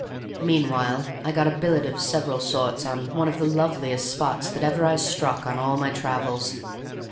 Meanwhile I got a billet of several sorts on one of the loveliest spots that ever I struck on all my travels.